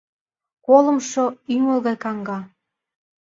Колымшо, ӱмыл гай каҥга: